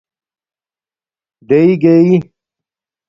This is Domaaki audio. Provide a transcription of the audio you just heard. ڈیئ گیئ